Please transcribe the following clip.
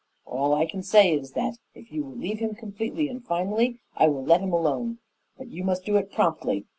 "All I can say is that, if you will leave him completely and finally, I will let him alone. But you must do it promptly.